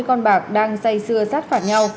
hai mươi con bạc đang xây xưa sát phản nhau